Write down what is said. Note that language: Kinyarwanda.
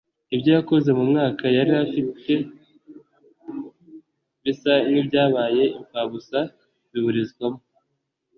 ibyo yakoze mu mwaka yari arifite bisa nk’ibyabaye impfabusa biburizwamo”